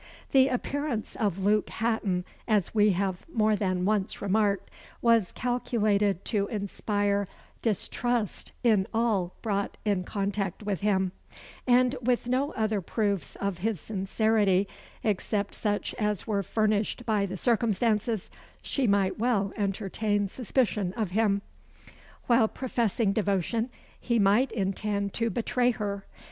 The appearance of Luke Hatton, as we have more than once remarked, was calculated to inspire distrust in all brought in contact with him; and with no other proofs of his sincerity except such as were furnished by the circumstances, she might well entertain suspicion of him. While professing devotion, he might intend to betray her.